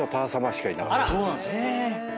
そうなんですよ。